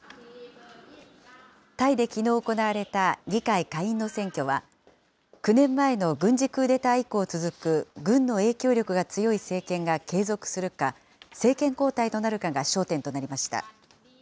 タイできのう行われた、議会下院の選挙は、９年前の軍事クーデター以降続く軍の影響力が強い政権が継続するか、政権交代となるかが焦点となりました。